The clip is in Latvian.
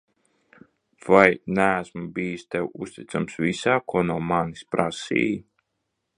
Vai neesmu bijis Tev uzticams visā, ko no manis prasīji?